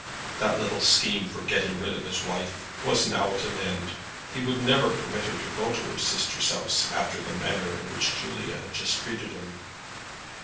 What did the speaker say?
That little scheme for getting rid of his wife was now at an end. He would never permit her to go to her sister's house after the manner in which Julia had just treated him!